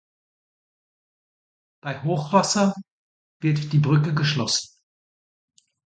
Bei Hochwasser wird die Brücke geschlossen.